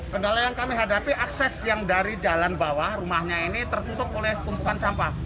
kendala yang kami hadapi akses yang dari jalan bawah rumahnya ini tertutup oleh tumpukan sampah